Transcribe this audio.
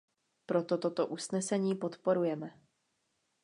Proto toto usnesení podporujeme.